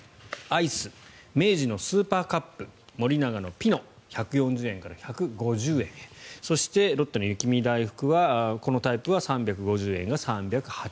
アイス、明治のスーパーカップ森永のピノ１４０円から１５０円へそして、ロッテの雪見だいふくはこのタイプは３５０円が３８０円。